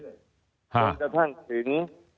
จนกระทั่งถึง